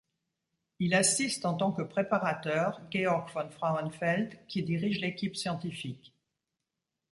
Il assiste en tant que préparateur Georg von Frauenfeld qui dirige l'équipe scientifique.